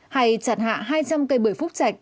hay chặt hạ hai trăm linh cây bưởi phúc trạch